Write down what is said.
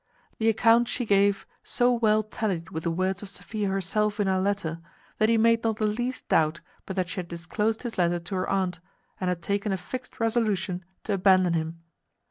The account she gave so well tallied with the words of Sophia herself in her letter, that he made not the least doubt but that she had disclosed his letter to her aunt, and had taken a fixed resolution to abandon him.